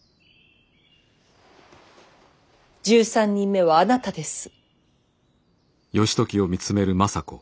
１３人目はあなたです。